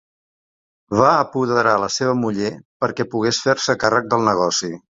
Va apoderar la seva muller perquè pogués fer-se càrrec del negoci.